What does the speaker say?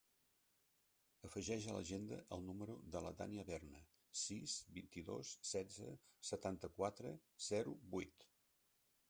Afegeix a l'agenda el número de la Dània Berna: sis, vint-i-dos, setze, setanta-quatre, zero, vuit.